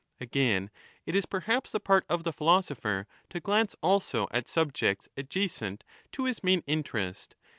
Again, it is perhaps the part of the philosopher to glance also at subjects adjacent to his main interest.